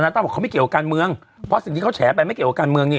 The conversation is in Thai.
ต้าบอกเขาไม่เกี่ยวกับการเมืองเพราะสิ่งที่เขาแฉไปไม่เกี่ยวกับการเมืองนี่